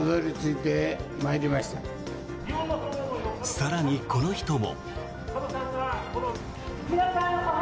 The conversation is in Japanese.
更に、この人も。